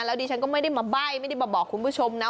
แล้วดิฉันก็ไม่ได้มาใบ้ไม่ได้มาบอกคุณผู้ชมนะ